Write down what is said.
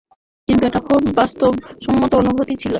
কিন্তু এটা খুব বাস্তবসম্মত অনুভূতি দিচ্ছে।